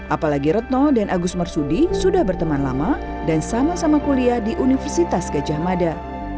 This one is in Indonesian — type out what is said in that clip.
apalagi retno dan agus marsudi sudah berteman lama dan sama sama kuliah di universitas gajah mada